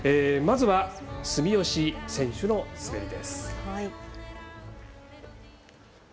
まずは、住吉選手の滑りです。